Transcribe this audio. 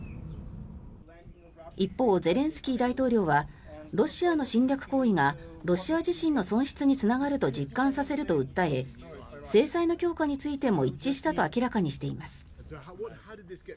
一方、ゼレンスキー大統領はロシアの侵略行為がロシア自身の損失につながると実感させると訴え制裁の強化についても一致したと明らかにしています。